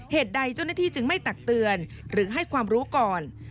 เหตุใดเจ้าหน้าที่จึงไม่ตักเตือนหรือให้ความรู้ก่อน